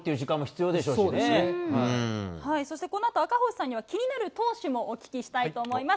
そしてこのあと、赤星さんには、気になる投手もお聞きしたいと思います。